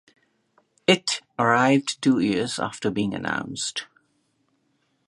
It arrived two years after being announced.